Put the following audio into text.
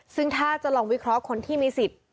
ซึ่งถ้าจะลองวิเคราะห์คนที่มีสิทธิ์